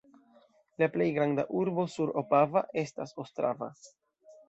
La plej granda urbo sur Opava estas Ostrava.